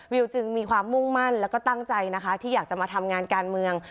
จึงมีความมุ่งมั่นแล้วก็ตั้งใจนะคะที่อยากจะมาทำงานการเมือง